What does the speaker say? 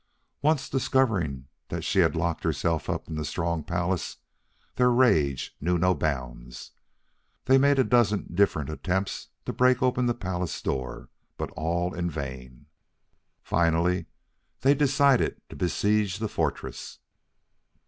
On discovering that she had locked herself up in the strong palace, their rage knew no bounds. They made a dozen different attempts to break open the palace door, but all in vain. Finally, they decided to besiege the fortress.